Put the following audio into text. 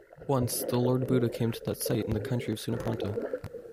Once the Lord Buddha came to that site in the country of Sunapranta.